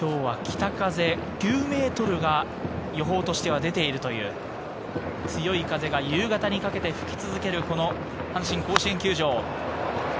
今日は北風９メートルが予報としては出ているという、強い風が夕方にかけて吹き続ける阪神甲子園球場。